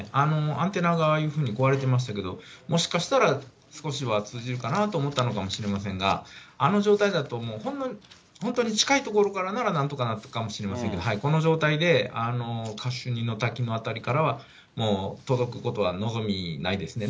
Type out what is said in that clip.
アンテナがああいうふうに壊れてましたけれども、もしかしたら、少しは通じるのかなとは思ったのかもしれませんが、あの状態だともう、本当に近い所からならなんとかなったかもしれませんけれども、この状態で、カシュニの滝の辺りからはもう届くことは望みないですね。